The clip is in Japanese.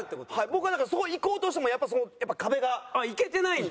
僕はだからそこ行こうとしてもやっぱ壁が。行けてないんだ？